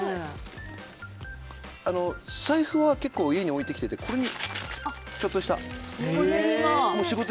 財布は結構家に置いてきててこれにちょっとした。